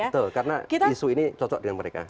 betul karena isu ini cocok dengan mereka